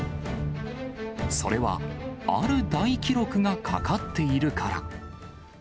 それは、ある大記録がかかっているから。